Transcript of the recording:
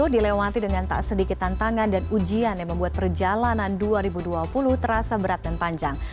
dilewati dengan tak sedikit tantangan dan ujian yang membuat perjalanan dua ribu dua puluh terasa berat dan panjang